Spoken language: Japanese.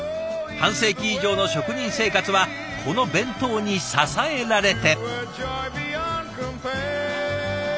半世紀以上の職人生活はこの弁当に支えられて。